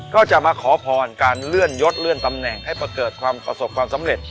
ก็จะมาขอพรการเลื่อนยศเลื่อนตำแหน่งให้เกิดความประสบความสำเร็จ